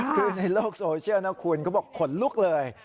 คือในโลกโซเชียลนะคุณเขาบอกขนลุกเลย